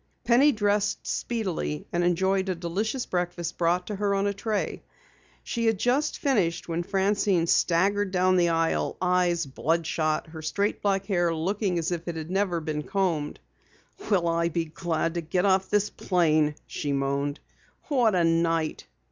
Penny dressed speedily, and enjoyed a delicious breakfast brought to her on a tray. She had just finished when Francine staggered down the aisle, eyes bloodshot, her straight black hair looking as if it had never been combed. "Will I be glad to get off this plane!" she moaned. "What a night!"